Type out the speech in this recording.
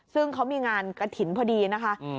ซึ่งเขามีงานกระถิ่นพอดีนะคะ